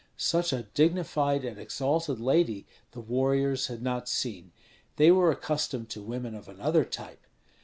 Such a dignified and exalted lady the warriors had not seen; they were accustomed to women of another type.